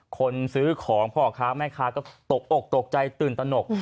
คนซื้อของพ่อค้าแม่ค้าก็ตกอกตกใจตื่นตนก